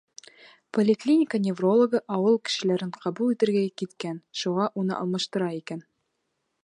Поликлиника неврологы ауыл кешеләрен ҡабул итергә киткән, шуға уны алмаштыра икән.